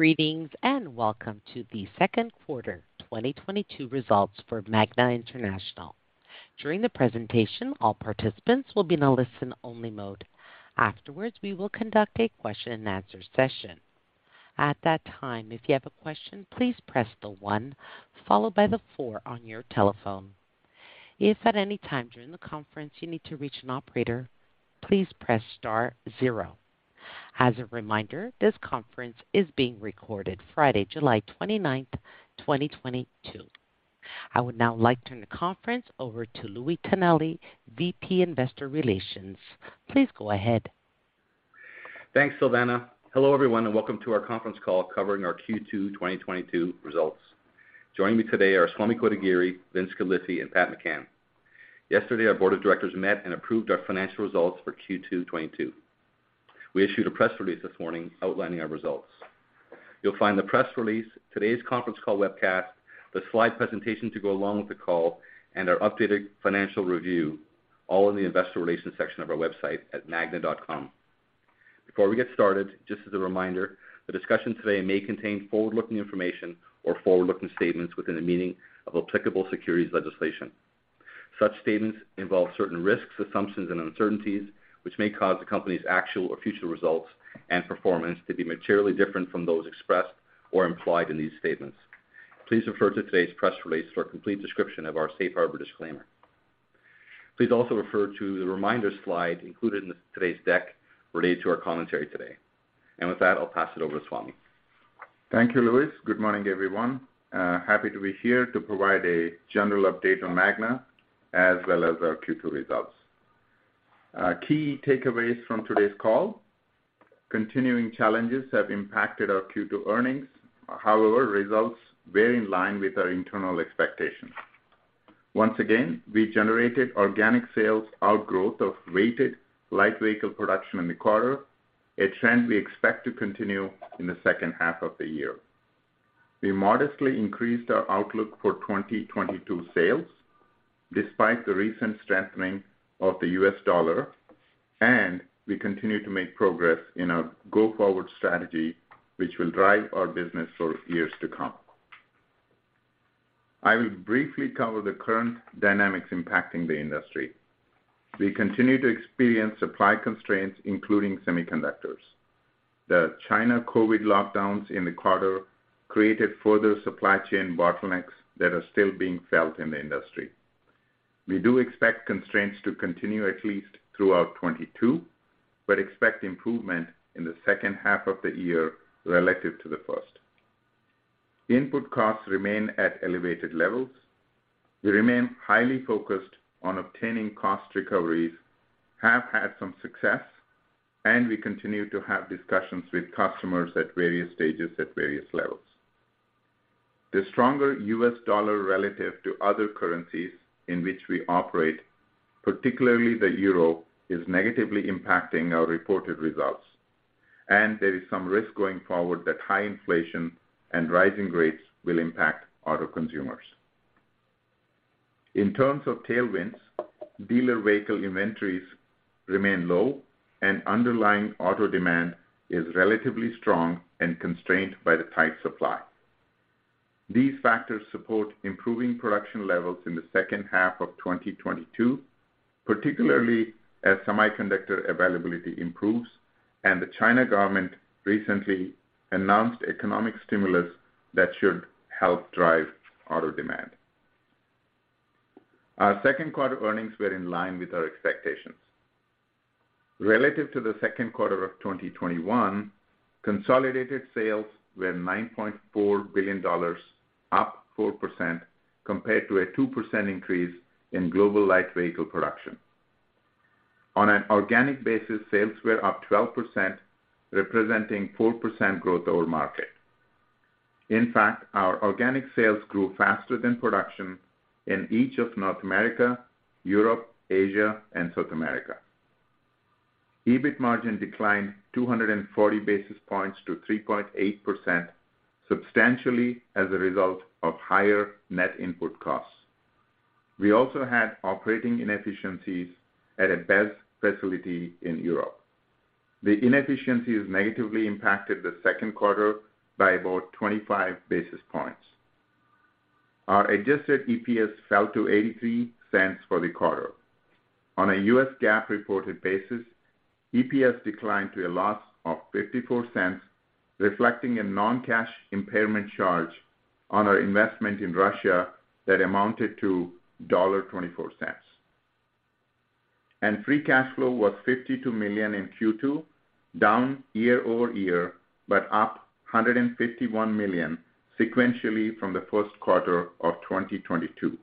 Greetings, and welcome to the second quarter 2022 results for Magna International. During the presentation, all participants will be in a listen-only mode. Afterwards, we will conduct a question and answer session. At that time, if you have a question, please press the one followed by the four on your telephone. If at any time during the conference you need to reach an operator, please press star zero. As a reminder, this conference is being recorded Friday, July 29th, 2022. I would now like to turn the conference over to Louis Tonelli, VP Investor Relations. Please go ahead. Thanks, Silvana. Hello, everyone, and welcome to our conference call covering our Q2 2022 results. Joining me today are Swamy Kotagiri, Vince Galifi, and Pat McCann. Yesterday, our board of directors met and approved our financial results for Q2 2022. We issued a press release this morning outlining our results. You'll find the press release, today's conference call webcast, the slide presentation to go along with the call, and our updated financial review all in the investor relations section of our website at magna.com. Before we get started, just as a reminder, the discussion today may contain forward-looking information or forward-looking statements within the meaning of applicable securities legislation. Such statements involve certain risks, assumptions, and uncertainties which may cause the company's actual or future results and performance to be materially different from those expressed or implied in these statements. Please refer to today's press release for a complete description of our safe harbor disclaimer. Please also refer to the reminder slide included in today's deck related to our commentary today. With that, I'll pass it over to Swamy. Thank you, Louis. Good morning, everyone. Happy to be here to provide a general update on Magna as well as our Q2 results. Key takeaways from today's call, continuing challenges have impacted our Q2 earnings. However, results were in line with our internal expectations. Once again, we generated organic sales outgrowth of rated light vehicle production in the quarter, a trend we expect to continue in the second half of the year. We modestly increased our outlook for 2022 sales despite the recent strengthening of the U.S. dollar, and we continue to make progress in our go-forward strategy which will drive our business for years to come. I will briefly cover the current dynamics impacting the industry. We continue to experience supply constraints, including semiconductors. The China COVID lockdowns in the quarter created further supply chain bottlenecks that are still being felt in the industry. We do expect constraints to continue at least throughout 2022, but expect improvement in the second half of the year relative to the first. Input costs remain at elevated levels. We remain highly focused on obtaining cost recoveries, have had some success, and we continue to have discussions with customers at various stages at various levels. The stronger U.S. dollar relative to other currencies in which we operate, particularly the euro, is negatively impacting our reported results, and there is some risk going forward that high inflation and rising rates will impact auto consumers. In terms of tailwinds, dealer vehicle inventories remain low and underlying auto demand is relatively strong and constrained by the tight supply. These factors support improving production levels in the second half of 2022, particularly as semiconductor availability improves and the Chinese government recently announced economic stimulus that should help drive auto demand. Our second quarter earnings were in line with our expectations. Relative to the second quarter of 2021, consolidated sales were $9.4 billion, up 4% compared to a 2% increase in global light vehicle production. On an organic basis, sales were up 12%, representing 4% growth over market. In fact, our organic sales grew faster than production in each of North America, Europe, Asia, and South America. EBIT margin declined 240 basis points to 3.8%, substantially as a result of higher net input costs. We also had operating inefficiencies at a Vecsés facility in Europe. The inefficiencies negatively impacted the second quarter by about 25 basis points. Our adjusted EPS fell to $0.83 for the quarter. On a U.S. GAAP reported basis, EPS declined to a loss of $0.54, reflecting a non-cash impairment charge on our investment in Russia that amounted to $0.24. Free cash flow was $52 million in Q2, down year-over-year, but up $151 million sequentially from the first quarter of 2022.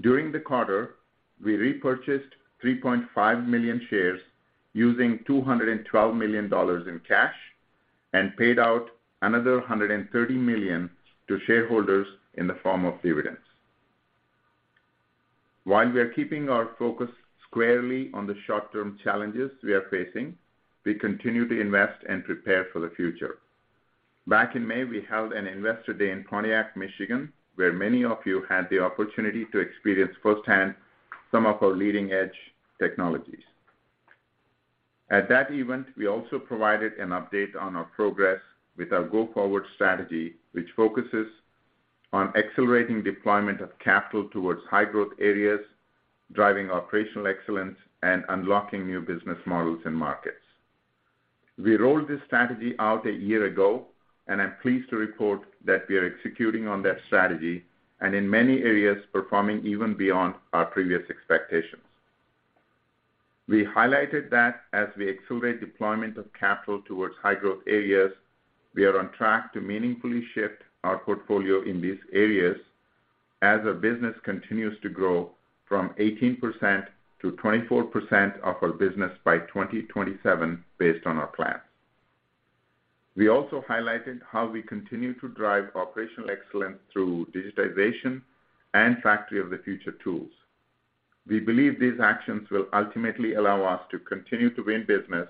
During the quarter, we repurchased 3.5 million shares using $212 million in cash and paid out another $130 million to shareholders in the form of dividends. While we are keeping our focus squarely on the short-term challenges we are facing, we continue to invest and prepare for the future. Back in May, we held an investor day in Pontiac, Michigan, where many of you had the opportunity to experience firsthand some of our leading-edge technologies. At that event, we also provided an update on our progress with our go-forward strategy, which focuses on accelerating deployment of capital towards high growth areas, driving operational excellence, and unlocking new business models and markets. We rolled this strategy out a year ago, and I'm pleased to report that we are executing on that strategy, and in many areas, performing even beyond our previous expectations. We highlighted that as we accelerate deployment of capital towards high growth areas, we are on track to meaningfully shift our portfolio in these areas as our business continues to grow from 18% to 24% of our business by 2027 based on our plans. We also highlighted how we continue to drive operational excellence through digitization and factory of the future tools. We believe these actions will ultimately allow us to continue to win business,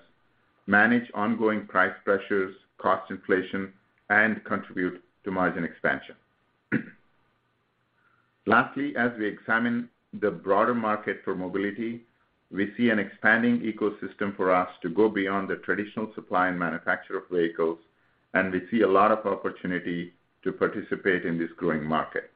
manage ongoing price pressures, cost inflation, and contribute to margin expansion. Lastly, as we examine the broader market for mobility, we see an expanding ecosystem for us to go beyond the traditional supply and manufacture of vehicles, and we see a lot of opportunity to participate in this growing market.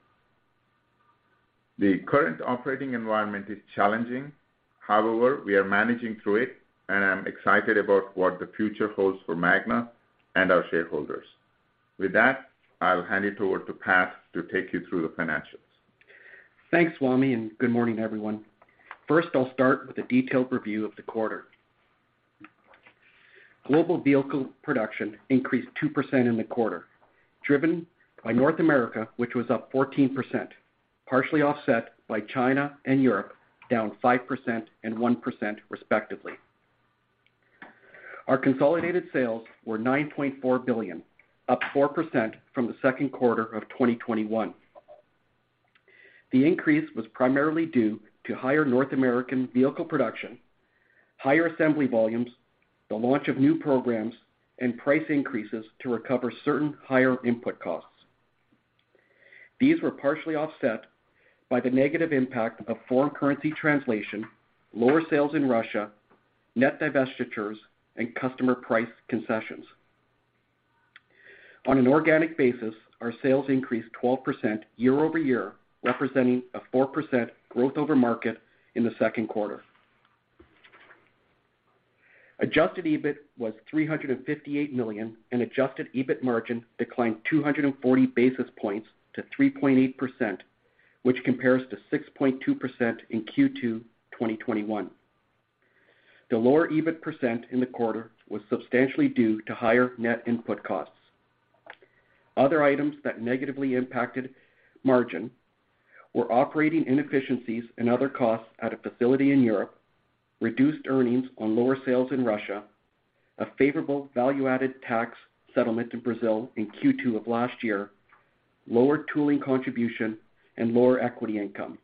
The current operating environment is challenging. However, we are managing through it, and I'm excited about what the future holds for Magna and our shareholders. With that, I'll hand it over to Pat to take you through the financials. Thanks, Swamy, and good morning, everyone. First, I'll start with a detailed review of the quarter. Global vehicle production increased 2% in the quarter, driven by North America, which was up 14%, partially offset by China and Europe, down 5% and 1%, respectively. Our consolidated sales were $9.4 billion, up 4% from the second quarter of 2021. The increase was primarily due to higher North American vehicle production, higher assembly volumes, the launch of new programs, and price increases to recover certain higher input costs. These were partially offset by the negative impact of foreign currency translation, lower sales in Russia, net divestitures, and customer price concessions. On an organic basis, our sales increased 12% year-over-year, representing a 4% growth over market in the second quarter. Adjusted EBIT was $358 million, and adjusted EBIT margin declined 240 basis points to 3.8%, which compares to 6.2% in Q2 2021. The lower EBIT percent in the quarter was substantially due to higher net input costs. Other items that negatively impacted margin were operating inefficiencies and other costs at a facility in Europe, reduced earnings on lower sales in Russia, a favorable value-added tax settlement in Brazil in Q2 of last year, lower tooling contribution, and lower equity income.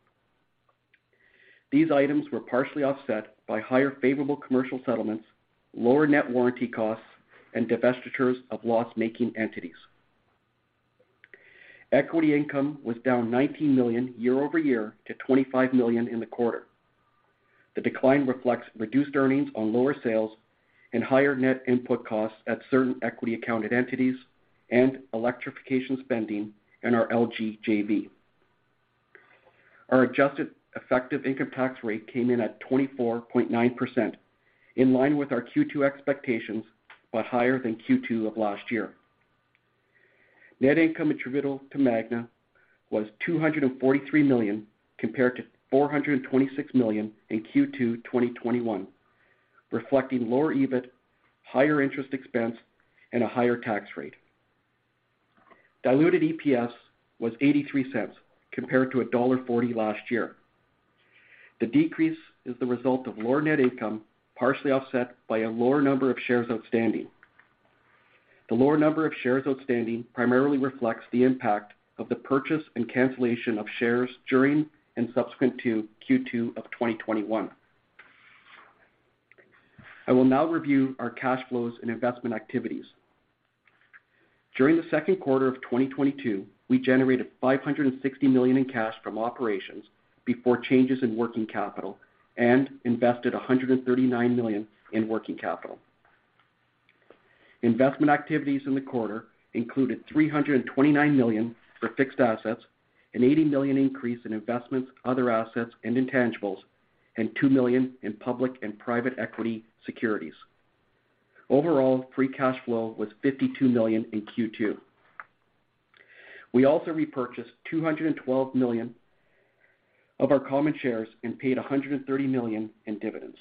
These items were partially offset by higher favorable commercial settlements, lower net warranty costs, and divestitures of loss-making entities. Equity income was down $19 million year-over-year to $25 million in the quarter. The decline reflects reduced earnings on lower sales and higher net input costs at certain equity accounted entities and electrification spending in our LG JV. Our adjusted effective income tax rate came in at 24.9%, in line with our Q2 expectations, but higher than Q2 of last year. Net income attributable to Magna was $243 million, compared to $426 million in Q2 2021, reflecting lower EBIT, higher interest expense, and a higher tax rate. Diluted EPS was $0.83 compared to $1.40 last year. The decrease is the result of lower net income, partially offset by a lower number of shares outstanding. The lower number of shares outstanding primarily reflects the impact of the purchase and cancellation of shares during and subsequent to Q2 of 2021. I will now review our cash flows and investment activities. During the second quarter of 2022, we generated $560 million in cash from operations before changes in working capital and invested $139 million in working capital. Investment activities in the quarter included $329 million for fixed assets, an $80 million increase in investments, other assets, and intangibles, and $2 million in public and private equity securities. Overall, free cash flow was $52 million in Q2. We also repurchased $212 million of our common shares and paid $130 million in dividends.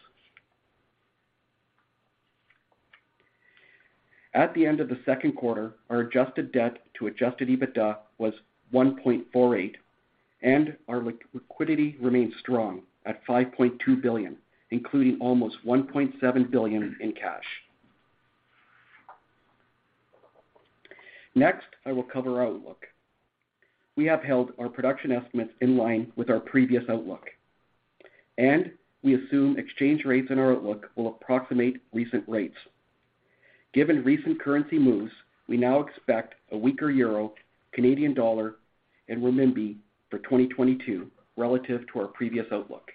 At the end of the second quarter, our adjusted debt to adjusted EBITDA was 1.48, and our liquidity remains strong at $5.2 billion, including almost $1.7 billion in cash. Next, I will cover our outlook. We have held our production estimates in line with our previous outlook, and we assume exchange rates in our outlook will approximate recent rates. Given recent currency moves, we now expect a weaker euro, Canadian dollar, and renminbi for 2022 relative to our previous outlook.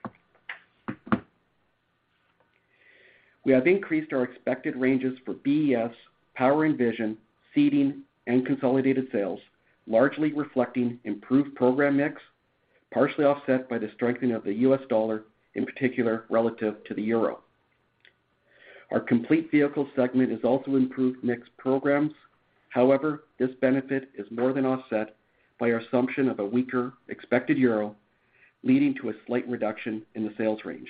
We have increased our expected ranges for BES, Power and Vision, Seating, and consolidated sales, largely reflecting improved program mix, partially offset by the strengthening of the U.S. dollar, in particular relative to the euro. Our Complete Vehicles segment has also improved mix programs. However, this benefit is more than offset by our assumption of a weaker-than-expected euro, leading to a slight reduction in the sales range.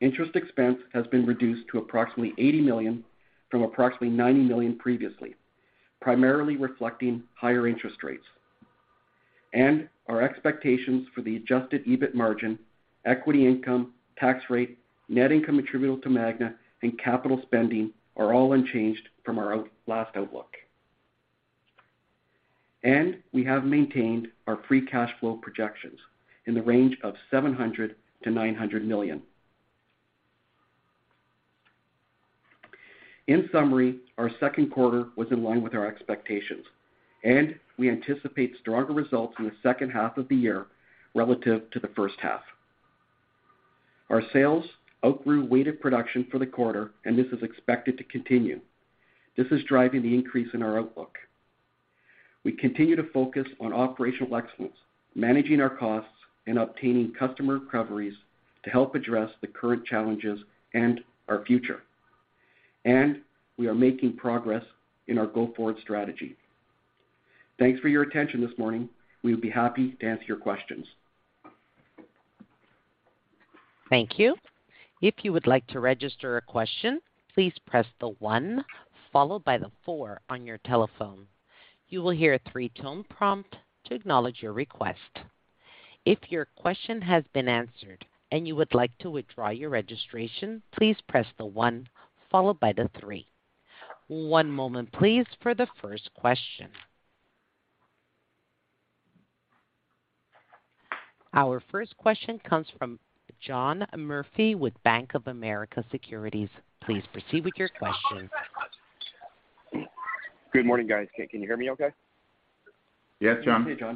Interest expense has been reduced to approximately $80 million from approximately $90 million previously, primarily reflecting higher interest rates. Our expectations for the adjusted EBIT margin, equity income, tax rate, net income attributable to Magna and capital spending are all unchanged from our last outlook. We have maintained our free cash flow projections in the range of $700 million-$900 million. In summary, our second quarter was in line with our expectations, and we anticipate stronger results in the second half of the year relative to the first half. Our sales outgrew weighted production for the quarter, and this is expected to continue. This is driving the increase in our outlook. We continue to focus on operational excellence, managing our costs, and obtaining customer recoveries to help address the current challenges and our future. We are making progress in our go-forward strategy. Thanks for your attention this morning. We would be happy to answer your questions. Thank you. If you would like to register a question, please press the one followed by the four on your telephone. You will hear a three-tone prompt to acknowledge your request. If your question has been answered and you would like to withdraw your registration, please press the one followed by the three. One moment, please, for the first question. Our first question comes from John Murphy with Bank of America Securities. Please proceed with your question. Good morning, guys. Can you hear me okay? Yes, John. We can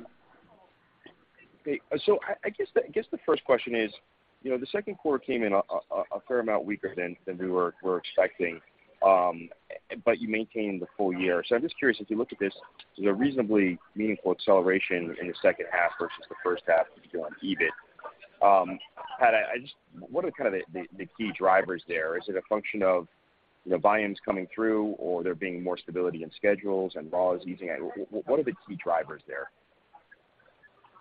hear you, John. I guess the first question is, you know, the second quarter came in a fair amount weaker than we were expecting, but you maintained the full year. I'm just curious if you look at this as a reasonably meaningful acceleration in the second half versus the first half if you go on EBIT. What are kind of the key drivers there? Is it a function of, you know, volumes coming through or there being more stability in schedules and launches easing? What are the key drivers there?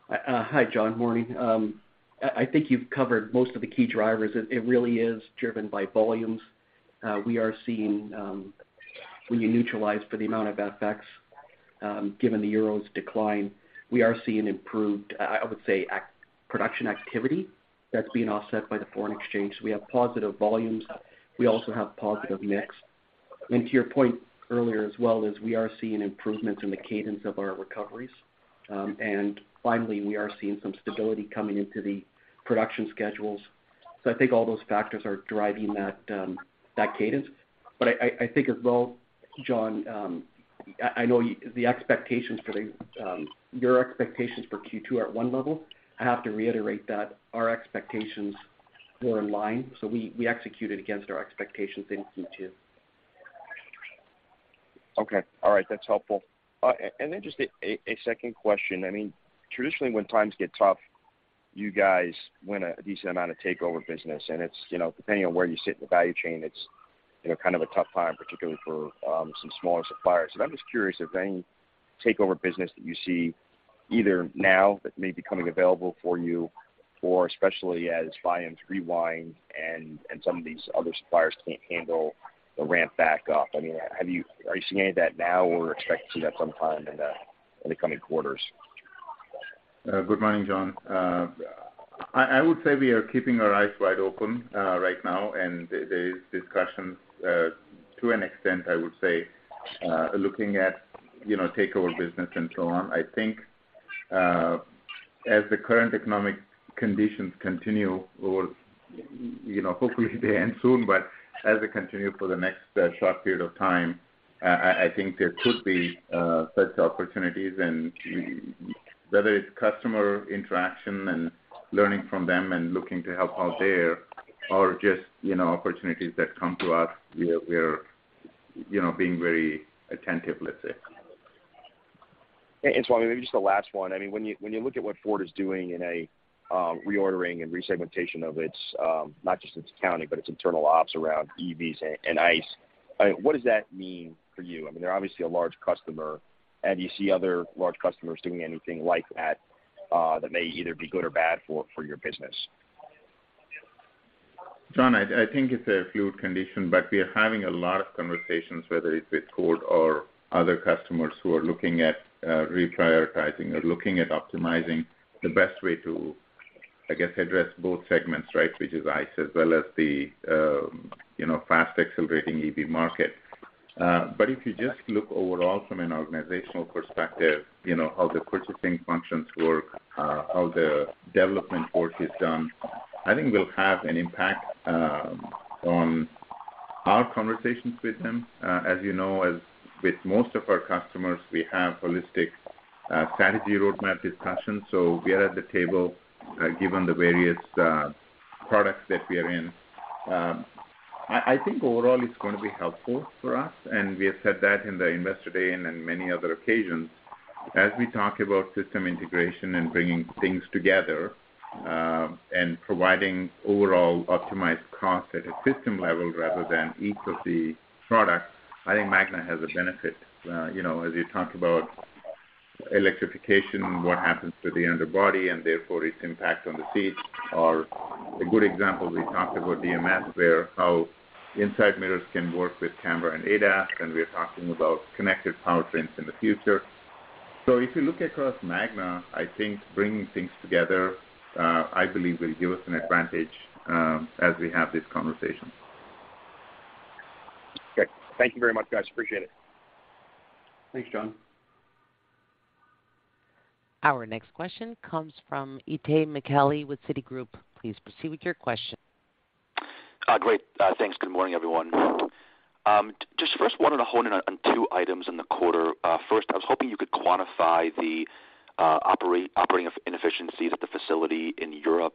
Hi, John. Morning. I think you've covered most of the key drivers. It really is driven by volumes. We are seeing, when you neutralize for the amount of FX, given the euro's decline, we are seeing improved. I would say actual production activity that's being offset by the foreign exchange. We have positive volumes. We also have positive mix. To your point earlier as well, we are seeing improvements in the cadence of our recoveries. Finally, we are seeing some stability coming into the production schedules. I think all those factors are driving that cadence. I think as well, John, I know your expectations for Q2 are at one level. I have to reiterate that our expectations were in line, so we executed against our expectations in Q2. Okay. All right. That's helpful. And then just a second question. I mean, traditionally, when times get tough, you guys win a decent amount of takeover business, and it's, you know, depending on where you sit in the value chain, it's, you know, kind of a tough time, particularly for some smaller suppliers. I'm just curious if any takeover business that you see either now that may be coming available for you or especially as volumes rebound and some of these other suppliers can't handle the ramp back up. I mean, are you seeing any of that now or expect to see that sometime in the coming quarters? Good morning, John. I would say we are keeping our eyes wide open right now, and there is discussions to an extent, I would say, looking at, you know, takeover business and so on. I think as the current economic conditions continue or, you know, hopefully they end soon, but as they continue for the next short period of time, I think there could be such opportunities. Whether it's customer interaction and learning from them and looking to help out there or just, you know, opportunities that come to us, we are, you know, being very attentive, let's say. Swamy, maybe just the last one. I mean, when you look at what Ford is doing in a reordering and resegmentation of its not just its accounting, but its internal ops around EVs and ICE, I mean, what does that mean for you? I mean, they're obviously a large customer. Do you see other large customers doing anything like that that may either be good or bad for your business? John, I think it's a fluid condition, but we are having a lot of conversations, whether it's with Ford or other customers who are looking at reprioritizing or looking at optimizing the best way to, I guess, address both segments, right? Which is ICE as well as the you know, fast accelerating EV market. If you just look overall from an organizational perspective, you know, how the purchasing functions work, how the development work is done, I think we'll have an impact on our conversations with them. As you know, as with most of our customers, we have holistic strategy roadmap discussions, so we are at the table, given the various products that we are in. I think overall it's gonna be helpful for us, and we have said that in the Investor Day and in many other occasions. As we talk about system integration and bringing things together, and providing overall optimized cost at a system level rather than each of the products, I think Magna has a benefit. You know, as you talk about electrification, what happens to the underbody, and therefore its impact on the seat are a good example. We talked about DMS, where how inside mirrors can work with camera and ADAS, and we are talking about connected powertrains in the future. If you look across Magna, I think bringing things together, I believe will give us an advantage, as we have these conversations. Okay. Thank you very much, guys. Appreciate it. Thanks, John. Our next question comes from Itay Michaeli with Citigroup. Please proceed with your question. Great. Thanks. Good morning, everyone. Just first wanted to hone in on two items in the quarter. First, I was hoping you could quantify the operating inefficiencies at the facility in Europe.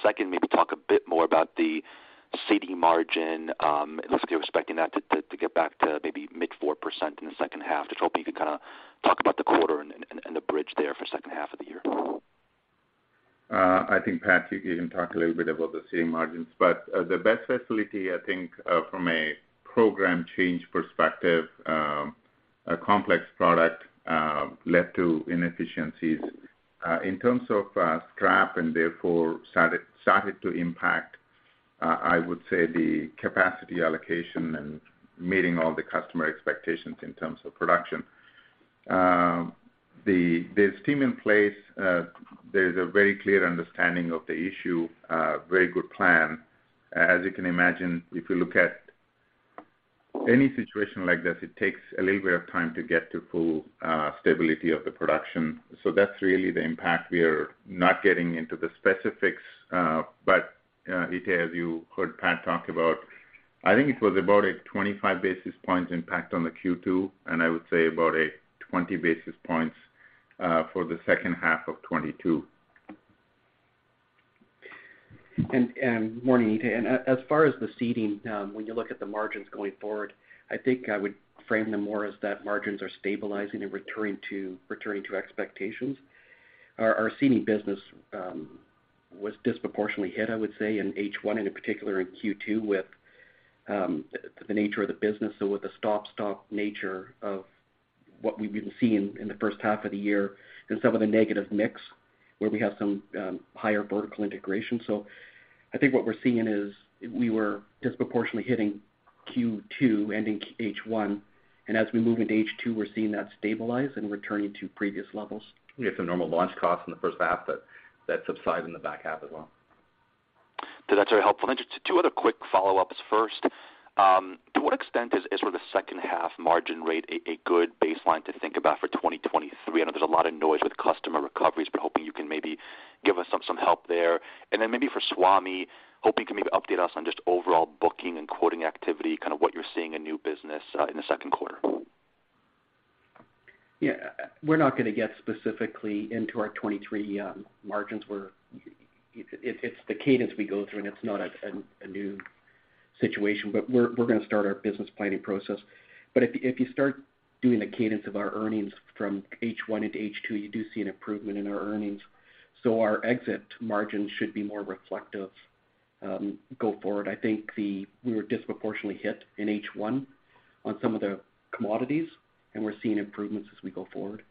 Second, maybe talk a bit more about the Seating margin, obviously respecting that to get back to maybe mid-4% in the second half. Just hoping you can kinda talk about the quarter and the bridge there for second half of the year. I think, Pat, you can talk a little bit about the Seating margins, but the Vecsés facility, I think, from a program change perspective, a complex product led to inefficiencies in terms of scrap, and therefore started to impact, I would say, the capacity allocation and meeting all the customer expectations in terms of production. There's team in place. There's a very clear understanding of the issue, very good plan. As you can imagine, if you look at any situation like this, it takes a little bit of time to get to full stability of the production. That's really the impact. We are not getting into the specifics, but, Itay, as you heard Pat talk about, I think it was about a 25 basis points impact on the Q2, and I would say about a 20 basis points, for the second half of 2022. Good morning, Itay. As far as the seating, when you look at the margins going forward, I think I would frame them more as that margins are stabilizing and returning to expectations. Our seating business was disproportionately hit, I would say, in H1, and in particular in Q2, with the nature of the business. With the stop-start nature of what we've been seeing in the first half of the year and some of the negative mix where we have some higher vertical integration. I think what we're seeing is we were disproportionately hit in Q2 and in H1, and as we move into H2, we're seeing that stabilize and returning to previous levels. We have some normal launch costs in the first half that subside in the back half as well. That's very helpful. Just two other quick follow-ups. First, to what extent is sort of the second half margin rate a good baseline to think about for 2023? I know there's a lot of noise with customer recoveries, but hoping you can maybe give us some help there. Then maybe for Swamy, hoping you can maybe update us on just overall booking and quoting activity, kind of what you're seeing in new business in the second quarter. Yeah. We're not gonna get specifically into our 2023 margins. It's the cadence we go through, and it's not a new situation, but we're gonna start our business planning process. If you start doing the cadence of our earnings from H1 into H2, you do see an improvement in our earnings. Our exit margins should be more reflective going forward. I think we were disproportionately hit in H1 on some of the commodities, and we're seeing improvements as we go forward.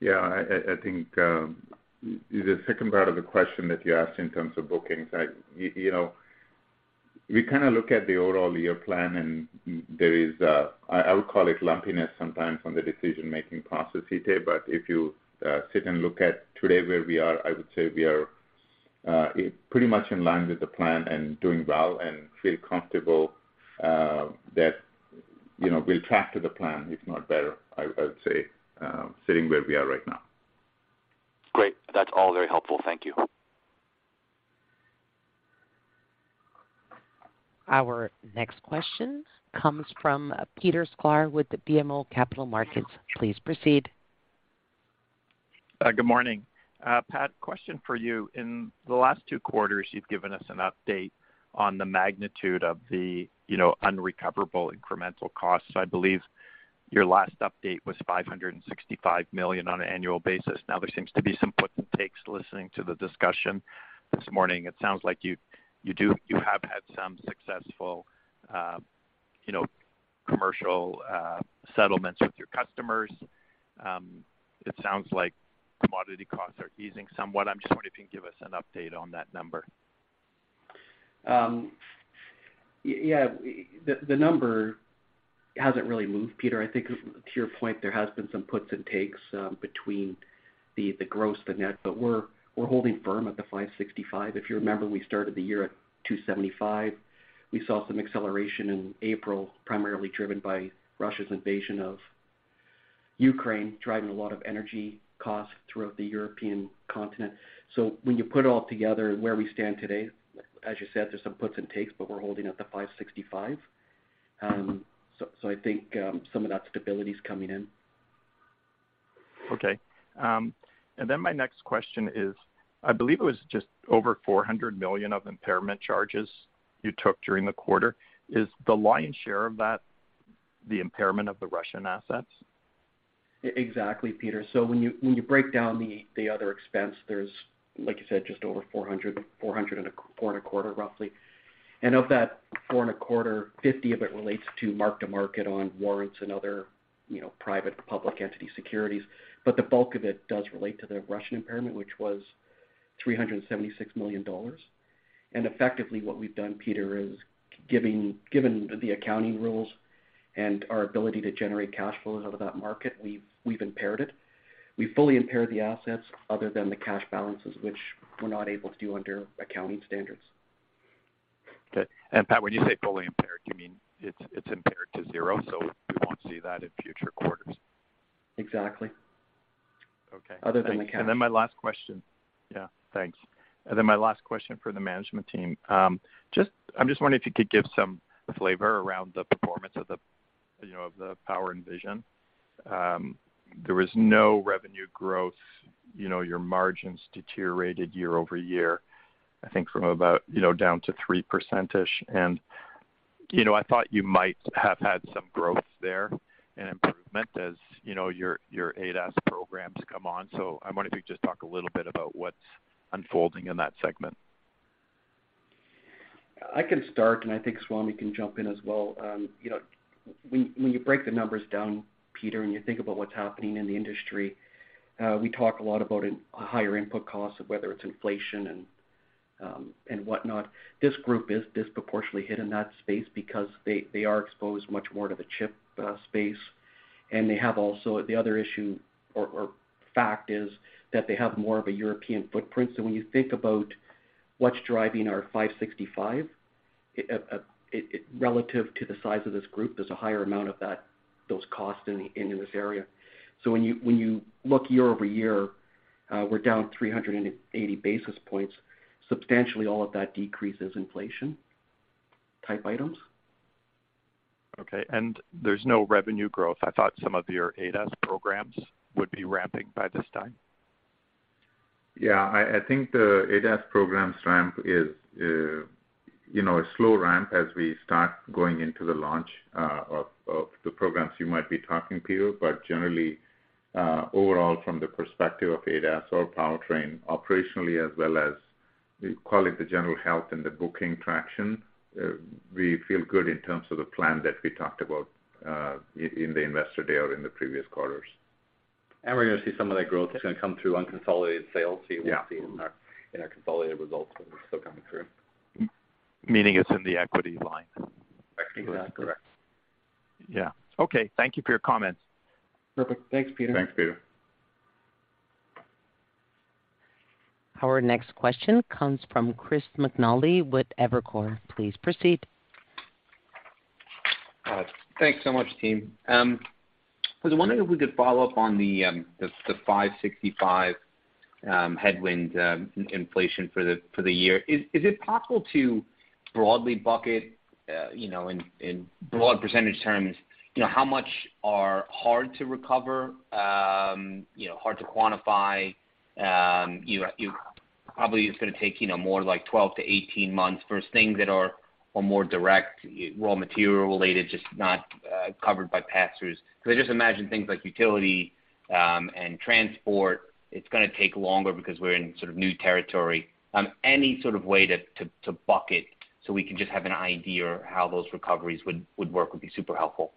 Yeah. I think the second part of the question that you asked in terms of bookings. You know, we kind of look at the overall year plan, and there is, I would call it, lumpiness sometimes on the decision-making process, Itay. But if you sit and look at today where we are, I would say we are pretty much in line with the plan and doing well and feel comfortable that, you know, we'll track to the plan, if not better. I would say sitting where we are right now. Great. That's all very helpful. Thank you. Our next question comes from Peter Sklar with BMO Capital Markets. Please proceed. Good morning. Pat, question for you. In the last two quarters, you've given us an update on the magnitude of the, you know, unrecoverable incremental costs. I believe your last update was $565 million on an annual basis. Now there seems to be some puts and takes listening to the discussion this morning. It sounds like you have had some successful, you know, commercial settlements with your customers. It sounds like commodity costs are easing somewhat. I'm just wondering if you can give us an update on that number. Yeah. The number hasn't really moved, Peter. I think to your point, there has been some puts and takes between the gross, the net, but we're holding firm at the $565 million. If you remember, we started the year at $275 million. We saw some acceleration in April, primarily driven by Russia's invasion of Ukraine driving a lot of energy costs throughout the European continent. When you put it all together where we stand today, as you said, there's some puts and takes, but we're holding at the $565 million. I think some of that stability is coming in. Okay. My next question is, I believe it was just over $400 million of impairment charges you took during the quarter. Is the lion's share of that the impairment of the Russian assets? Exactly, Peter. When you break down the other expense, there's, like you said, just over $425 million roughly. Of that $425 million, $50 million of it relates to mark-to-market on warrants and other, you know, private and public entity securities. The bulk of it does relate to the Russian impairment, which was $376 million. Effectively what we've done, Peter, is given the accounting rules and our ability to generate cash flows out of that market, we've impaired it. We fully impaired the assets other than the cash balances, which we're not able to do under accounting standards. Okay. Pat, when you say fully impaired, you mean it's impaired to zero, so we won't see that in future quarters? Exactly. Okay. Other than the cash. Then my last question. Yeah, thanks. Then my last question for the management team. I'm just wondering if you could give some flavor around the performance of the, you know, of the Power & Vision. There was no revenue growth. You know, your margins deteriorated year-over-year, I think from about, you know, down to 3%-ish. You know, I thought you might have had some growth there and improvement as, you know, your ADAS programs come on. I wonder if you could just talk a little bit about what's unfolding in that segment. I can start, and I think Swamy can jump in as well. You know, when you break the numbers down, Peter, and you think about what's happening in the industry, we talk a lot about a higher input costs, whether it's inflation and whatnot. This group is disproportionately hit in that space because they are exposed much more to the chip space. They have also the other issue or fact is that they have more of a European footprint. When you think about what's driving our $565 million, it relative to the size of this group, there's a higher amount of those costs in this area. When you look year-over-year, we're down 380 basis points. Substantially all of that decrease is inflation type items. Okay. There's no revenue growth. I thought some of your ADAS programs would be ramping by this time. Yeah. I think the ADAS programs ramp is, you know, a slow ramp as we start going into the launch, of the programs you might be talking, Peter. Generally, overall from the perspective of ADAS or powertrain, operationally as well as we call it, the general health and the booking traction, we feel good in terms of the plan that we talked about, in the investor day or in the previous quarters. We're gonna see some of that growth is gonna come through unconsolidated sales. Yeah. You won't see in our consolidated results, but it's still coming through. Meaning it's in the equity line. Exactly. Correct. Yeah. Okay, thank you for your comments. Perfect. Thanks, Peter. Thanks, Peter. Our next question comes from Chris McNally with Evercore. Please proceed. Thanks so much, team. I was wondering if we could follow up on the $565 million headwind inflation for the year. Is it possible to broadly bucket, you know, in broad percentage terms, you know, how much are hard to recover, you know, hard to quantify, probably it's gonna take, you know, more like 12 months-18 months versus things that are more direct raw material related, just not covered by pass-throughs. Because I just imagine things like utility and transport, it's gonna take longer because we're in sort of new territory. Any sort of way to bucket so we can just have an idea how those recoveries would work would be super helpful.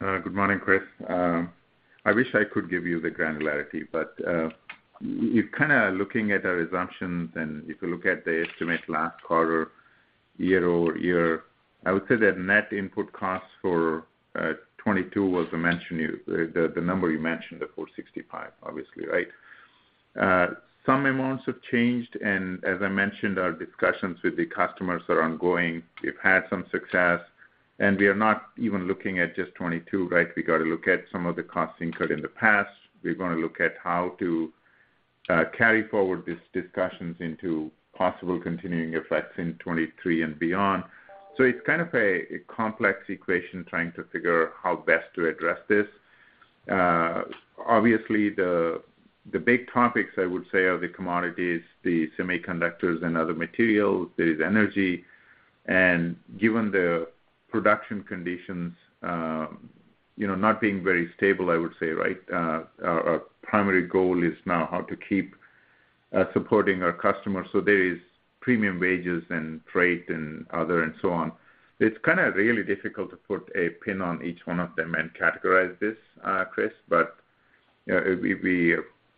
Good morning, Chris. I wish I could give you the granularity, but you're kinda looking at our assumptions, and if you look at the estimate last quarter year-over-year, I would say that net input costs for 2022 was the number you mentioned, $465 million, obviously, right? Some amounts have changed, and as I mentioned, our discussions with the customers are ongoing. We've had some success, and we are not even looking at just 2022, right? We gotta look at some of the costs incurred in the past. We're gonna look at how to carry forward these discussions into possible continuing effects in 2023 and beyond. It's kind of a complex equation trying to figure how best to address this. Obviously the big topics I would say are the commodities, the semiconductors and other materials. There is energy. Given the production conditions, you know, not being very stable, I would say, right? Our primary goal is now how to keep supporting our customers. There is premium wages and freight and other and so on. It's kinda really difficult to put a pin on each one of them and categorize this, Chris, but we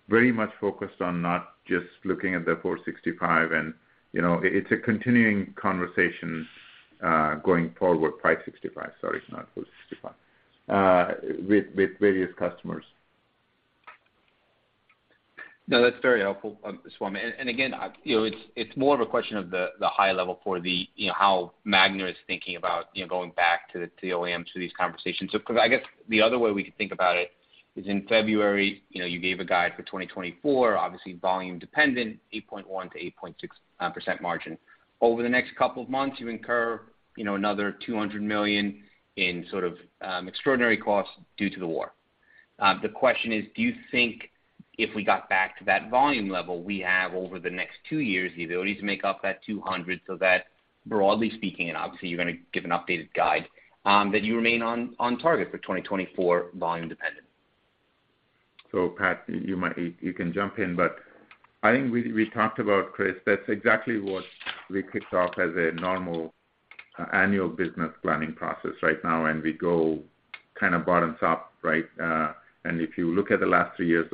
very much focused on not just looking at the $465 million and, you know, it's a continuing conversation going forward. $565 million, sorry, not $465 million, with various customers. No, that's very helpful, Swamy. Again, you know, it's more of a question of the high level for the, you know, how Magna is thinking about, you know, going back to the OEMs for these conversations. Kind of I guess the other way we could think about it is in February, you know, you gave a guide for 2024, obviously volume dependent, 8.1%-8.6% margin. Over the next couple of months, you incur, you know, another $200 million in sort of extraordinary costs due to the war. The question is, do you think if we got back to that volume level we have over the next two years the ability to make up that $200 million so that broadly speaking, and obviously you're gonna give an updated guide, that you remain on target for 2024 volume dependent? Pat, you can jump in, but I think we talked about, Chris, that's exactly what we kicked off as a normal annual business planning process right now, and we go kind of bottom up, right? If you look at the last three years,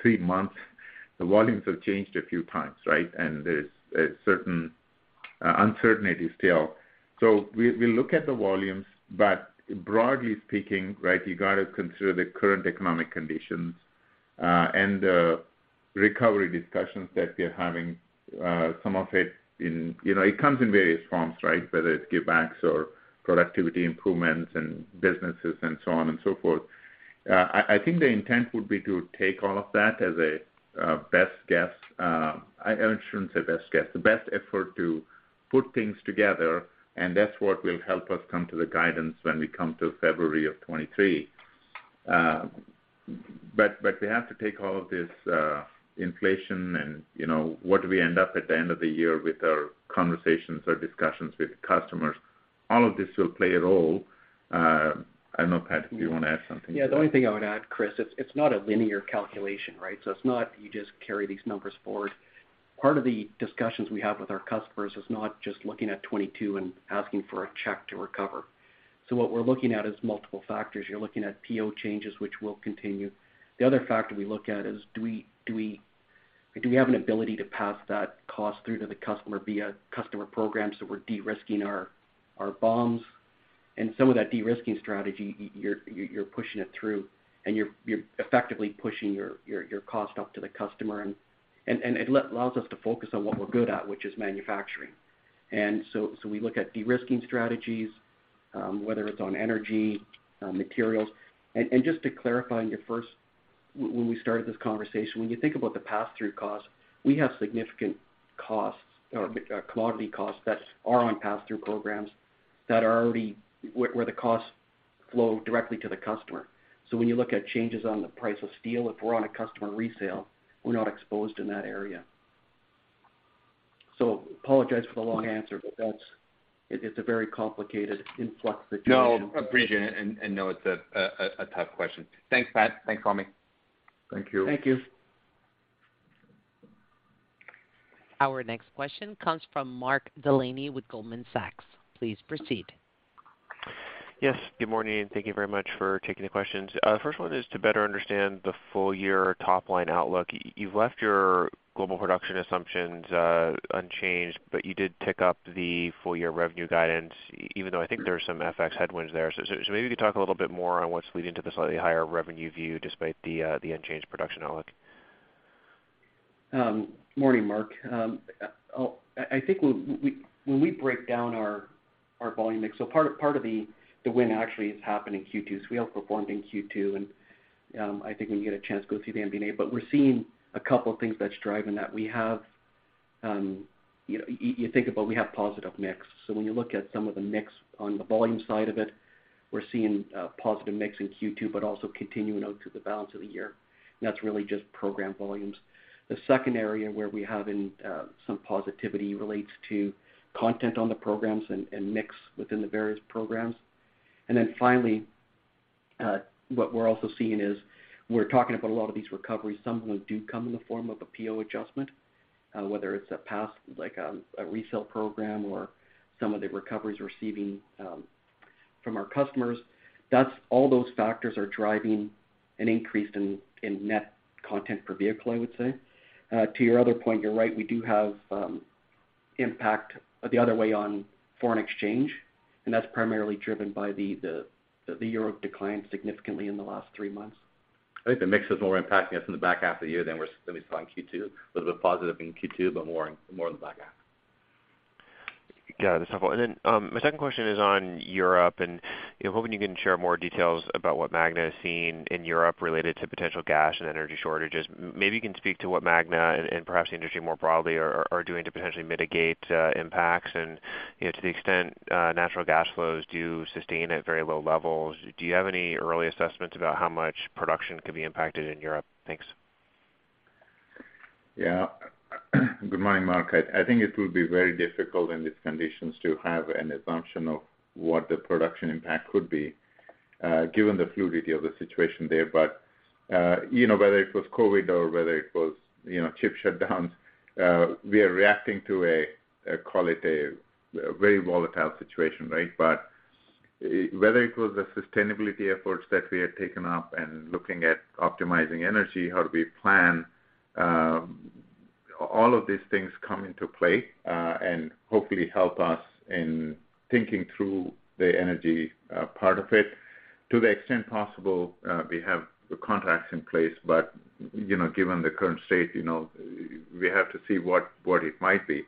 three months, the volumes have changed a few times, right? There's a certain uncertainty still. We look at the volumes, but broadly speaking, right, you gotta consider the current economic conditions, and the recovery discussions that we're having, some of it in. You know, it comes in various forms, right? Whether it's give backs or productivity improvements in businesses and so on and so forth. I think the intent would be to take all of that as a best guess. I shouldn't say best guess, the best effort to put things together, and that's what will help us come to the guidance when we come to February of 2023. We have to take all of this, inflation and, you know, what do we end up at the end of the year with our conversations or discussions with customers. All of this will play a role. I don't know, Pat, if you wanna add something. Yeah. The only thing I would add, Chris, it's not a linear calculation, right? It's not you just carry these numbers forward. Part of the discussions we have with our customers is not just looking at 2022 and asking for a check to recover. What we're looking at is multiple factors. You're looking at PO changes, which will continue. The other factor we look at is do we have an ability to pass that cost through to the customer via customer programs, so we're de-risking our BOMs. Some of that de-risking strategy, you're pushing it through, and you're effectively pushing your cost up to the customer and it allows us to focus on what we're good at, which is manufacturing. We look at de-risking strategies, whether it's on energy, materials. Just to clarify on your first. When we started this conversation, when you think about the pass-through cost, we have significant costs or commodity costs that are on pass-through programs that are already where the costs flow directly to the customer. When you look at changes on the price of steel, if we're on a customer resale, we're not exposed in that area. Apologize for the long answer, but that's it. It's a very complicated in flux situation. No, appreciate it, and know it's a tough question. Thanks, Pat. Thanks, Swamy. Thank you. Thank you. Our next question comes from Mark Delaney with Goldman Sachs. Please proceed. Yes, good morning, and thank you very much for taking the questions. First one is to better understand the full year top line outlook. You've left your global production assumptions unchanged, but you did tick up the full year revenue guidance, even though I think there's some FX headwinds there. So maybe if you talk a little bit more on what's leading to the slightly higher revenue view despite the unchanged production outlook. Morning, Mark. I think when we break down our volume mix, part of the win actually is happening in Q2. We outperformed in Q2. I think when you get a chance to go see the MD&A. We're seeing a couple things that's driving that. We have, you know. You think about we have positive mix. When you look at some of the mix on the volume side of it, we're seeing positive mix in Q2, but also continuing out to the balance of the year, and that's really just program volumes. The second area where we have some positivity relates to content on the programs and mix within the various programs. Finally, what we're also seeing is we're talking about a lot of these recoveries. Some of them do come in the form of a PO adjustment, whether it's a pass-through, like, a resale program or some of the recoveries we're receiving from our customers. That's all those factors are driving an increase in net content per vehicle, I would say. To your other point, you're right. We do have an impact the other way on foreign exchange, and that's primarily driven by the euro's decline significantly in the last three months. I think the mix is more impacting us in the back half of the year than we saw in Q2. Little bit positive in Q2, but more in the back half. Got it. That's helpful. My second question is on Europe and, you know, hoping you can share more details about what Magna is seeing in Europe related to potential gas and energy shortages. Maybe you can speak to what Magna and perhaps the industry more broadly are doing to potentially mitigate impacts. You know, to the extent natural gas flows do sustain at very low levels, do you have any early assessments about how much production could be impacted in Europe? Thanks. Yeah. Good morning, Mark. I think it will be very difficult in these conditions to have an assumption of what the production impact could be, given the fluidity of the situation there. You know, whether it was COVID or whether it was, you know, chip shutdowns, we are reacting to a very volatile situation, right? Whether it was the sustainability efforts that we had taken up and looking at optimizing energy, how do we plan. All of these things come into play, and hopefully help us in thinking through the energy part of it. To the extent possible, we have the contracts in place, but, you know, given the current state, you know, we have to see what it might be.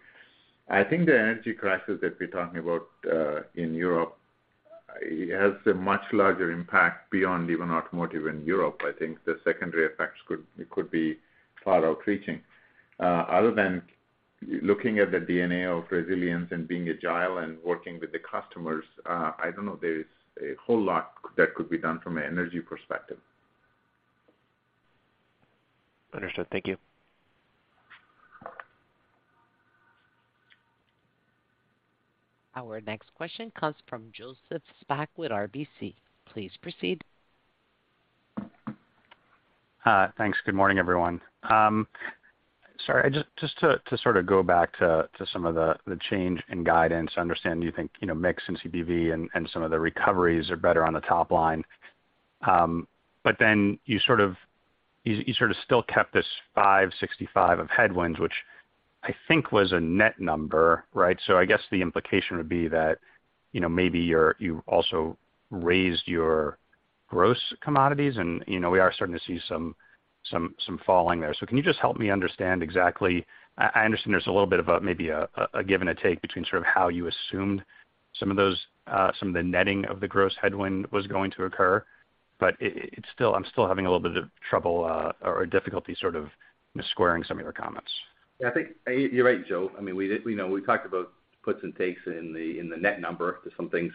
I think the energy crisis that we're talking about in Europe has a much larger impact beyond even automotive in Europe. I think the secondary effects could be far-reaching. Other than looking at the DNA of resilience and being agile and working with the customers, I don't know if there's a whole lot that could be done from an energy perspective. Understood. Thank you. Our next question comes from Joseph Spak with RBC. Please proceed. Hi. Thanks. Good morning, everyone. Sorry, just to sort of go back to some of the change in guidance, I understand you think, you know, mix in CV and some of the recoveries are better on the top line. But then you sort of still kept this $565 million of headwinds, which I think was a net number, right? I guess the implication would be that, you know, maybe you also raised your gross commodities and, you know, we are starting to see some falling there. Can you just help me understand exactly? I understand there's a little bit of a, maybe a give and take between sort of how you assumed some of those, some of the netting of the gross headwind was going to occur. I'm still having a little bit of trouble or difficulty sort of squaring some of your comments. Yeah, I think you're right, Joe. I mean, you know, we talked about puts and takes in the net number. There's some things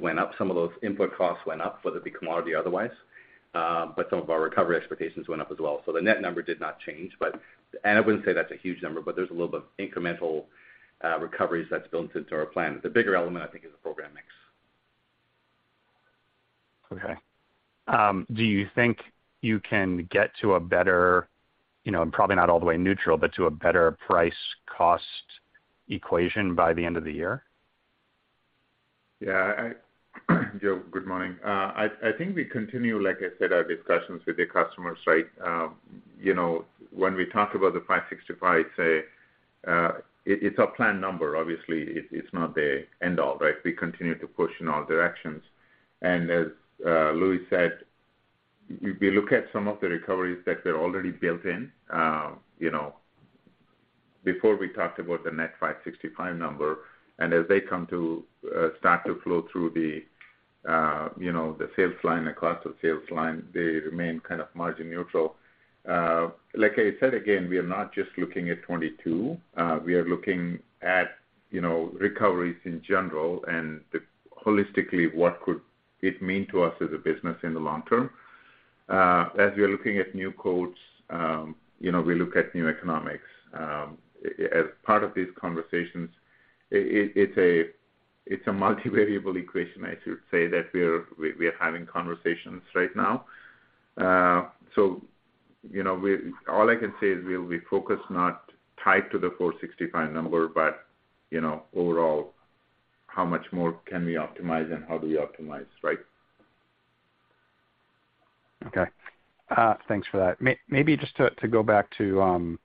went up, some of those input costs went up, whether it be commodity or otherwise, but some of our recovery expectations went up as well. The net number did not change. I wouldn't say that's a huge number, but there's a little bit of incremental recoveries that's built into our plan. The bigger element, I think, is the program mix. Okay. Do you think you can get to a better, you know, and probably not all the way neutral, but to a better price cost equation by the end of the year? Yeah. Joe, good morning. I think we continue, like I said, our discussions with the customers, right? You know, when we talk about the $565 million, say, it's a planned number, obviously. It's not the end all, right? We continue to push in all directions. As Louis said, if you look at some of the recoveries that were already built in, you know, before we talked about the net $565 million number, and as they come to start to flow through the, you know, the sales line, the cost of sales line, they remain kind of margin neutral. Like I said, again, we are not just looking at 2022. We are looking at, you know, recoveries in general and holistically, what could it mean to us as a business in the long term. As we are looking at new quotes, you know, we look at new economics. As part of these conversations, it's a multivariable equation, I should say, that we are having conversations right now. You know, all I can say is we'll be focused not tied to the $465 million number, but, you know, overall, how much more can we optimize and how do we optimize, right? Okay. Thanks for that. Maybe just to go back to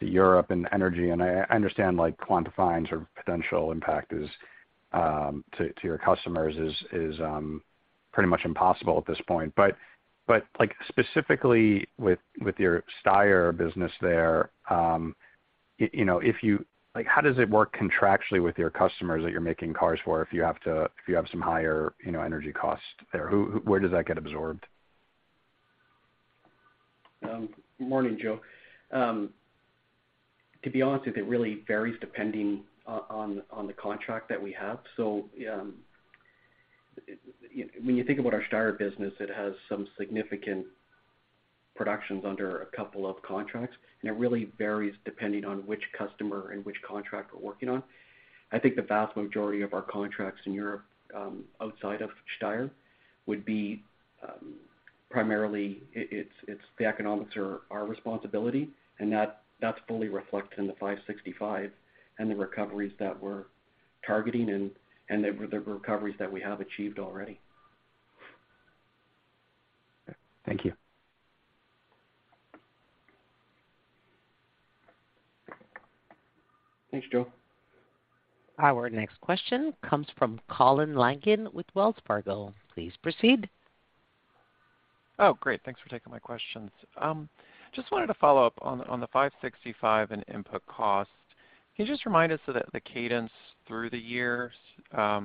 Europe and energy, and I understand, like, quantifying sort of potential impact to your customers is pretty much impossible at this point. Like, specifically with your Steyr business there, you know, how does it work contractually with your customers that you're making cars for if you have some higher, you know, energy costs there? Where does that get absorbed? Good morning, Joe. To be honest with you, it really varies depending on the contract that we have. When you think about our Steyr business, it has some significant productions under a couple of contracts, and it really varies depending on which customer and which contract we're working on. I think the vast majority of our contracts in Europe, outside of Steyr would be primarily it's the economics are our responsibility, and that's fully reflected in the $565 million and the recoveries that we're targeting and the recoveries that we have achieved already. Thank you. Thanks, Joe. Our next question comes from Colin Langan with Wells Fargo. Please proceed. Oh, great. Thanks for taking my questions. Just wanted to follow up on the $565 million and input cost. Can you just remind us of the cadence through the years? How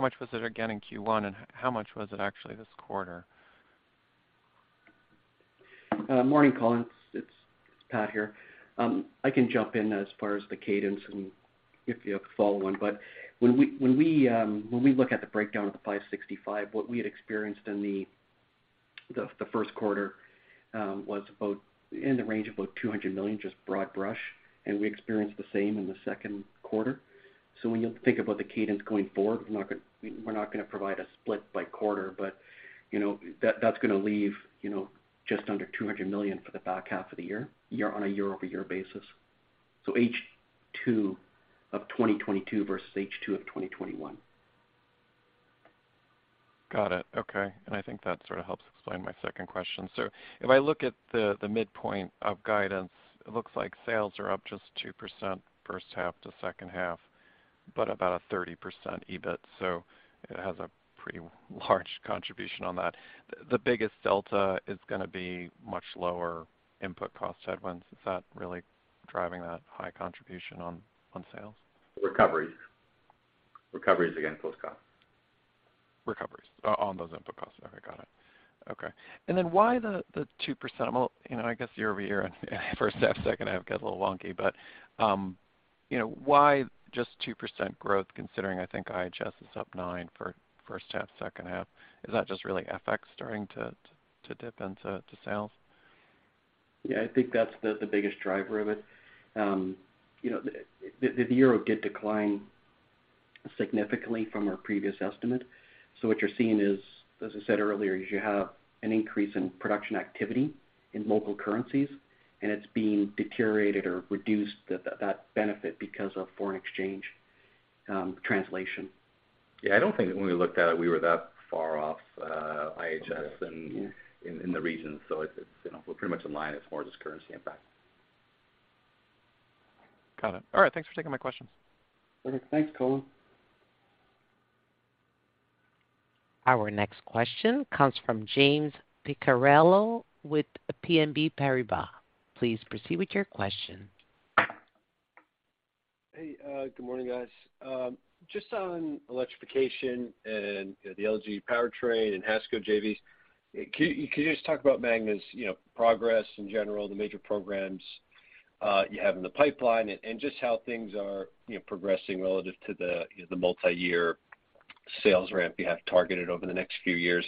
much was it again in Q1, and how much was it actually this quarter? Morning, Colin. It's Pat here. I can jump in as far as the cadence and if you have a follow-on. When we look at the breakdown of the $565 million, what we had experienced in the first quarter was about in the range of about $200 million, just broad brush, and we experienced the same in the second quarter. When you think about the cadence going forward, we're not gonna provide a split by quarter, but you know, that's gonna leave you know, just under $200 million for the back half of the year on a year-over-year basis. H2 of 2022 versus H2 of 2021. Got it. Okay. I think that sort of helps explain my second question. If I look at the midpoint of guidance, it looks like sales are up just 2% first half to second half, but about a 30% EBIT. It has a pretty large contribution on that. The biggest delta is gonna be much lower input cost headwinds. Is that really driving that high contribution on sales? Recoveries. Recoveries against those costs. Recoveries on those input costs. Okay, got it. Okay. Why the 2%? Well, you know, I guess year-over-year and first half, second half gets a little wonky, but you know, why just 2% growth considering I think IHS is up 9% for first half, second half? Is that just really FX starting to dip into sales? Yeah, I think that's the biggest driver of it. You know, the euro did decline significantly from our previous estimate. What you're seeing is, as I said earlier, you have an increase in production activity in local currencies, and it's being deteriorated or reduced that benefit because of foreign exchange translation. Yeah, I don't think when we looked at it, we were that far off, IHS and in the region. It's, you know, we're pretty much in line. It's more just currency impact. Got it. All right, thanks for taking my questions. Perfect. Thanks, Colin. Our next question comes from James Picariello with BNP Paribas. Please proceed with your question. Hey, good morning, guys. Just on electrification and the LG powertrain and HASCO JVs, can you just talk about Magna's, you know, progress in general, the major programs you have in the pipeline and just how things are, you know, progressing relative to the multiyear sales ramp you have targeted over the next few years?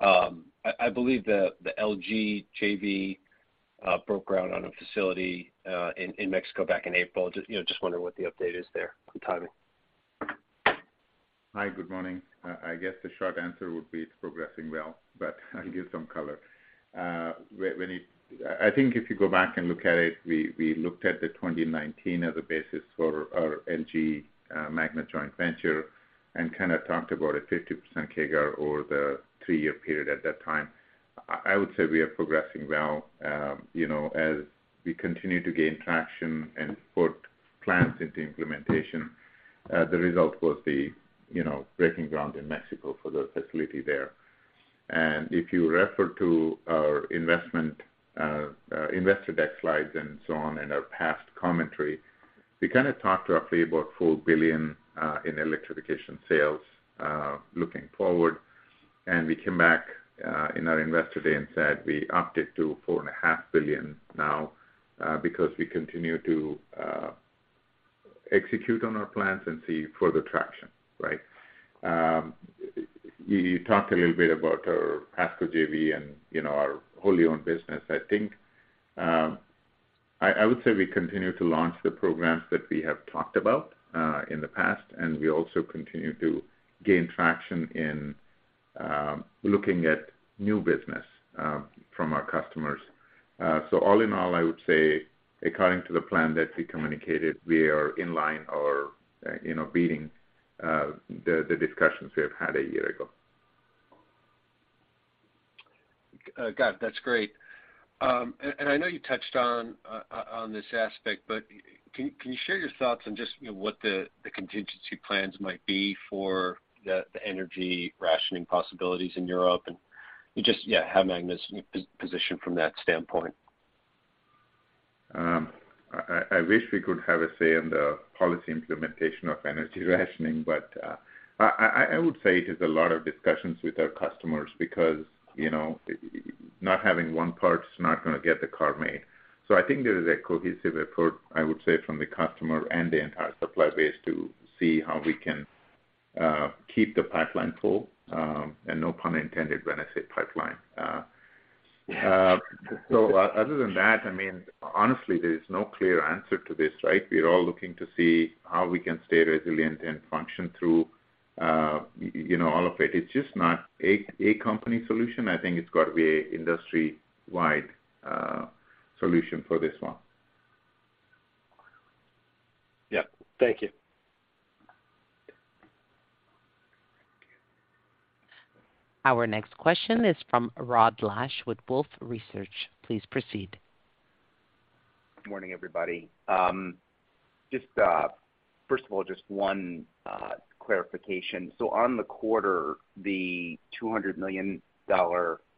I believe the LG JV broke ground on a facility in Mexico back in April. Just, you know, just wondering what the update is there on timing. Hi, good morning. I guess the short answer would be it's progressing well, but I'll give some color. I think if you go back and look at it, we looked at the 2019 as a basis for our LG Magna joint venture and kind of talked about a 50% CAGR over the three-year period at that time. I would say we are progressing well. You know, as we continue to gain traction and put plans into implementation, the result was breaking ground in Mexico for the facility there. If you refer to our investment investor deck slides and so on in our past commentary, we kind of talked roughly about $4 billion in electrification sales looking forward. We came back in our Investor Day and said we upped it to $4.5 billion now, because we continue to execute on our plans and see further traction, right? You talked a little bit about our HASCO JV and, you know, our wholly owned business. I think, I would say we continue to launch the programs that we have talked about in the past, and we also continue to gain traction in looking at new business from our customers. All in all, I would say according to the plan that we communicated, we are in line or, you know, beating the discussions we have had a year ago. Got it. That's great. I know you touched on this aspect, but can you share your thoughts on just, you know, what the contingency plans might be for the energy rationing possibilities in Europe? Just, yeah, how Magna's positioned from that standpoint. I wish we could have a say in the policy implementation of energy rationing, but I would say it is a lot of discussions with our customers because, you know, not having one part is not gonna get the car made. I think there is a cohesive effort, I would say, from the customer and the entire supply base to see how we can keep the pipeline full, and no pun intended when I say pipeline. Other than that, I mean, honestly, there is no clear answer to this, right? We're all looking to see how we can stay resilient and function through, you know, all of it. It's just not a company solution. I think it's got to be an industry-wide solution for this one. Yeah. Thank you. Our next question is from Rod Lache with Wolfe Research. Please proceed. Good morning, everybody. Just, first of all, just one clarification. On the quarter, the $200 million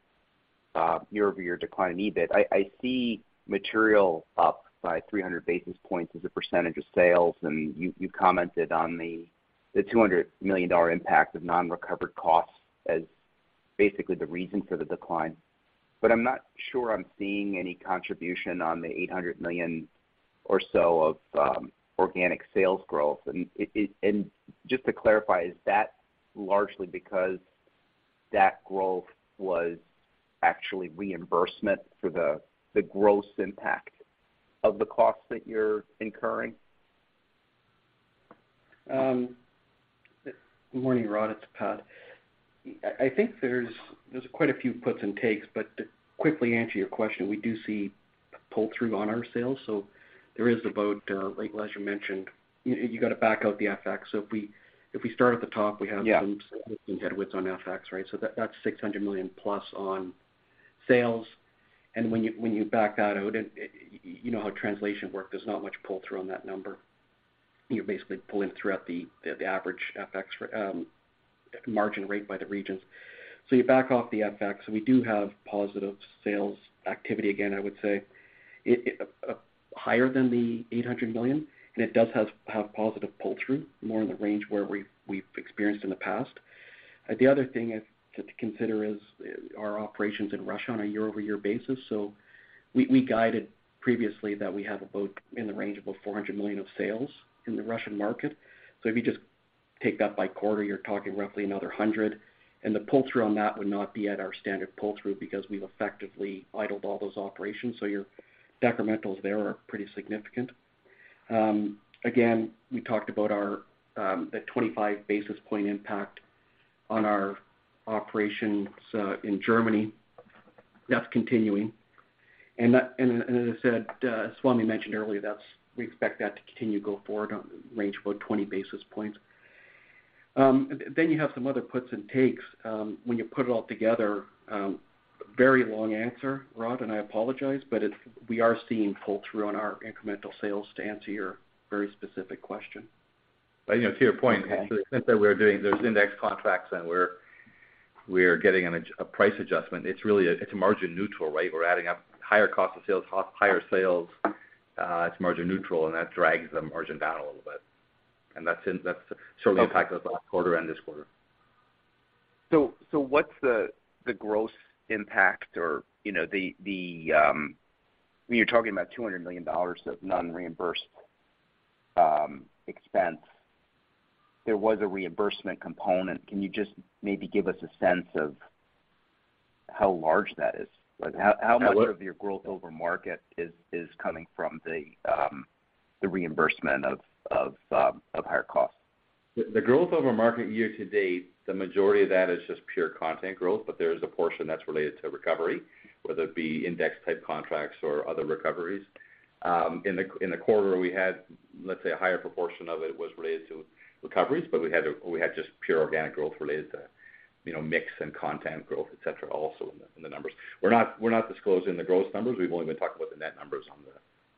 year-over-year decline in EBIT, I see material up by 300 basis points as a percentage of sales, and you commented on the $200 million impact of non-recovered costs as basically the reason for the decline. I'm not sure I'm seeing any contribution on the $800 million or so of organic sales growth. Just to clarify, is that largely because that growth was actually reimbursement for the gross impact of the costs that you're incurring? Good morning, Rod. It's Pat. I think there's quite a few puts and takes, but to quickly answer your question, we do see pull-through on our sales. There is about, like as you mentioned, you gotta back out the FX. If we start at the top, we have Yeah. Some headwind on FX, right? That's $600 million plus on sales. When you back that out, and you know how translation works, there's not much pull through on that number. You basically pull in throughout the average FX margin rate by the regions. You back off the FX, and we do have positive sales activity again, I would say. It's higher than the $800 million, and it does have positive pull through, more in the range where we've experienced in the past. The other thing to consider is our operations in Russia on a year-over-year basis. We guided previously that we have about in the range of $400 million of sales in the Russian market. If you just take that by quarter, you're talking roughly another $100 million. The pull through on that would not be at our standard pull-through because we've effectively idled all those operations, so your decrementals there are pretty significant. We talked about the 25 basis point impact on our operations in Germany. That's continuing. As I said, Swamy mentioned earlier, we expect that to continue to go forward in range about 20 basis points. Then you have some other puts and takes when you put it all together, very long answer, Rod, and I apologize, but we are seeing pull through on our incremental sales to answer your very specific question. You know, to your point. Okay Since we're doing those index contracts and we're getting a price adjustment, it's really, it's margin neutral, right? We're adding up higher cost of sales, higher sales, it's margin neutral, and that drags the margin down a little bit. That's certainly impacted- Okay. us last quarter and this quarter. What's the gross impact or when you're talking about $200 million of non-reimbursed expense, there was a reimbursement component. Can you just maybe give us a sense of how large that is? Like how much- Sure. of your growth over market is coming from the reimbursement of higher costs? The growth over market year to date, the majority of that is just pure content growth, but there is a portion that's related to recovery, whether it be index contracts or other recoveries. In the quarter, we had, let's say, a higher proportion of it was related to recoveries, but we had just pure organic growth related to, you know, mix and content growth, et cetera, also in the numbers. We're not disclosing the gross numbers. We've only been talking about the net numbers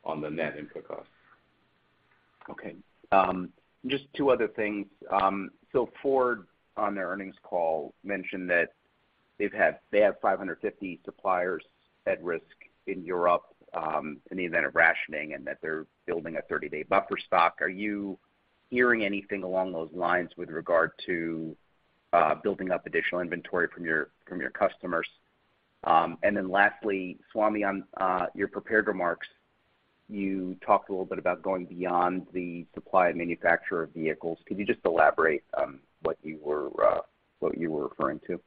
on the net input costs. Okay. Just two other things. Ford, on their earnings call, mentioned that they have 550 suppliers at risk in Europe, in the event of rationing, and that they're building a 30-day buffer stock. Are you hearing anything along those lines with regard to building up additional inventory from your customers? Lastly, Swamy, on your prepared remarks, you talked a little bit about going beyond the supplier and manufacturer of vehicles. Could you just elaborate what you were referring to?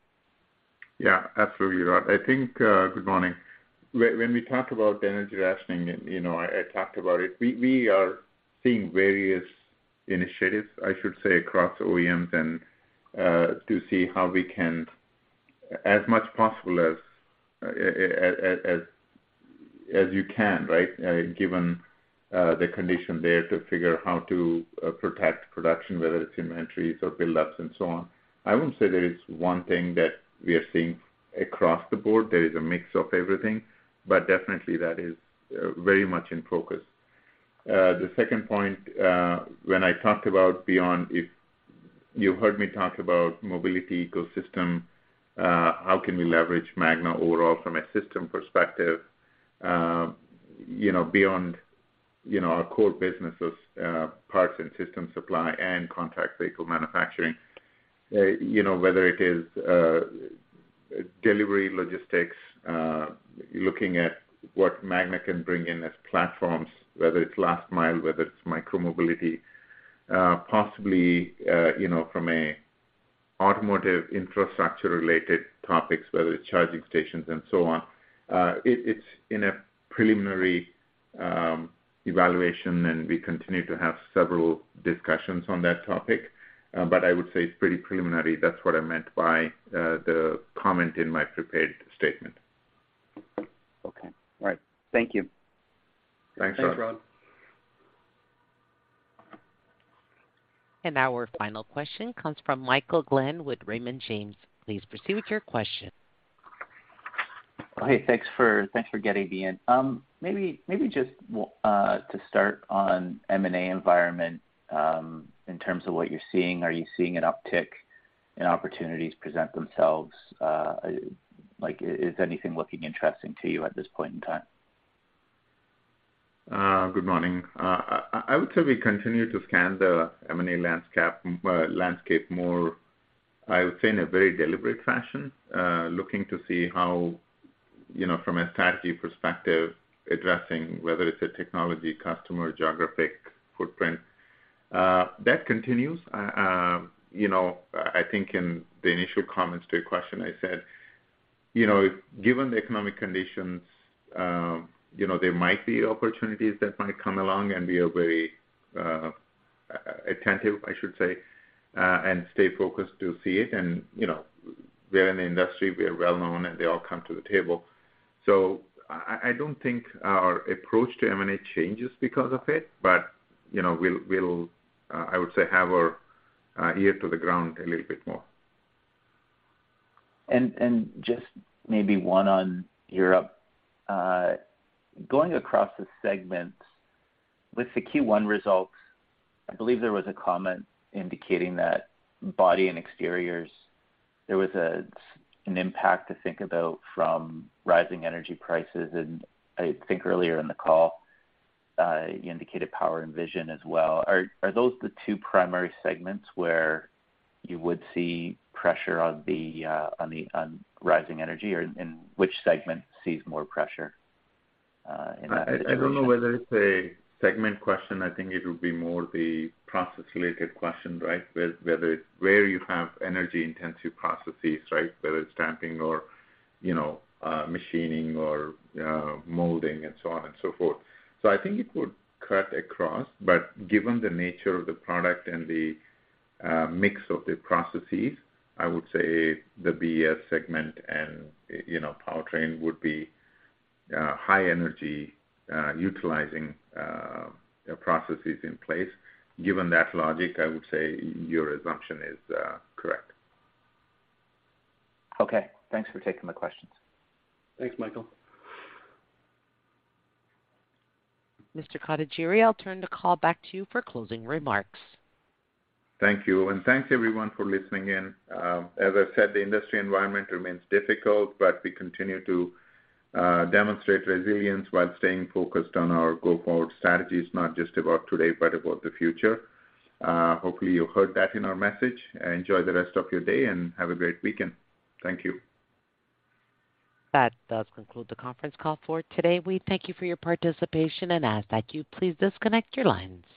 Yeah, absolutely, Rod. I think. Good morning. When we talk about the energy rationing, you know, I talked about it, we are seeing various initiatives, I should say, across OEMs and to see how we can, as much as possible, as you can, right, given the condition there to figure how to protect production, whether it's inventories or buildups and so on. I wouldn't say there is one thing that we are seeing across the board. There is a mix of everything, but definitely that is very much in focus. The second point, when I talked about beyond, if you heard me talk about mobility ecosystem, how can we leverage Magna overall from a system perspective, you know, beyond, you know, our core business of parts and systems supply and contract vehicle manufacturing. You know, whether it is delivery logistics, looking at what Magna can bring in as platforms, whether it's last mile, whether it's micromobility, possibly, you know, from an automotive infrastructure related topics, whether it's charging stations and so on. It's in a preliminary evaluation, and we continue to have several discussions on that topic. But I would say it's pretty preliminary. That's what I meant by the comment in my prepared statement. Okay. All right. Thank you. Thanks, Rod. Thanks, Rod. Now our final question comes from Michael Glen with Raymond James. Please proceed with your question. Hey, thanks for getting me in. Maybe just to start on M&A environment, in terms of what you're seeing, are you seeing an uptick in opportunities present themselves? Like is anything looking interesting to you at this point in time? Good morning. I would say we continue to scan the M&A landscape more, I would say, in a very deliberate fashion, looking to see how, you know, from a strategy perspective, addressing whether it's a technology customer geographic footprint. That continues. You know, I think in the initial comments to your question, I said, you know, given the economic conditions, you know, there might be opportunities that might come along, and we are very attentive, I should say, and stay focused to see it. You know, we are in the industry, we are well-known, and they all come to the table. I don't think our approach to M&A changes because of it, but, you know, we'll have our ear to the ground a little bit more. Just maybe one on Europe. Going across the segments with the Q1 results, I believe there was a comment indicating that body and exteriors, there was an impact to think about from rising energy prices. I think earlier in the call, you indicated Power & Vision as well. Are those the two primary segments where you would see pressure on the rising energy, or in which segment sees more pressure in that situation? I don't know whether it's a segment question. I think it would be more the process-related question, right? Whether it's where you have energy-intensive processes, right? Whether it's stamping or, you know, machining or, molding and so on and so forth. I think it would cut across. Given the nature of the product and the mix of the processes, I would say the BS segment and, you know, powertrain would be high energy utilizing processes in place. Given that logic, I would say your assumption is correct. Okay. Thanks for taking the questions. Thanks, Michael. Mr. Kotagiri, I'll turn the call back to you for closing remarks. Thank you. Thanks, everyone, for listening in. As I said, the industry environment remains difficult, but we continue to demonstrate resilience while staying focused on our go-forward strategies, not just about today, but about the future. Hopefully you heard that in our message. Enjoy the rest of your day, and have a great weekend. Thank you. That does conclude the conference call for today. We thank you for your participation and ask that you please disconnect your lines.